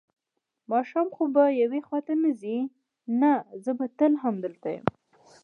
ماښام خو به یو خوا ته نه ځې؟ نه، زه به تل همدلته یم.